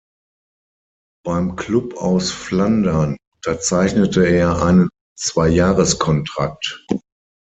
Beim Klub aus Flandern unterzeichnete er einen Zwei-Jahres-Kontrakt.